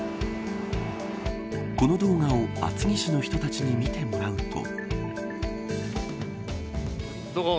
この動画を厚木市の人たちに見てもらうと。